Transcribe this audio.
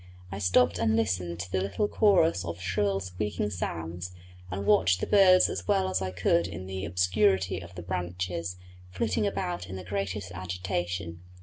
I stopped and listened to the little chorus of shrill squeaking sounds, and watched the birds as well as I could in the obscurity of the branches, flitting about in the greatest agitation.